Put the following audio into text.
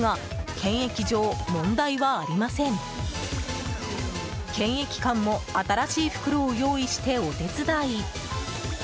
検疫官も新しい袋を用意してお手伝い。